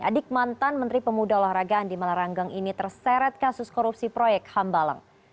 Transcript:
adik mantan menteri pemuda olahraga andi malaranggeng ini terseret kasus korupsi proyek hambalang